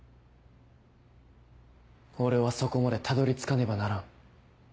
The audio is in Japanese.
俺はそこまでたどり着かねばならん。